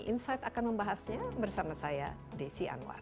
insight akan membahasnya bersama saya desi anwar